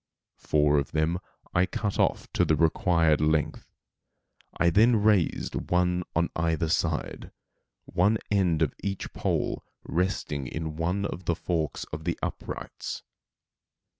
Four of them I cut off to the required length. I then raised one on either side, one end of each pole resting in one of the forks of the uprights.